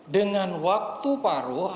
dengan waktu paruh